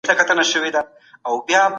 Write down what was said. انسان کولای سي تر تېر وخت ښه فکر وکړي.